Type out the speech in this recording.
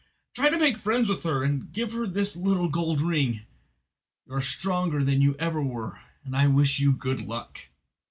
Try to make friends with her, and give her this little gold ring. You are stronger than ever you were, and I wish you good luck."